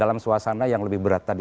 dalam suasana yang lebih berat tadi